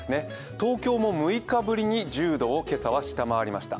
東京も６日ぶりに１０度を今朝は下回りました。